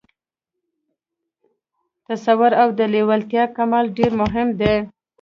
تصور او د لېوالتیا کمال ډېر مهم دي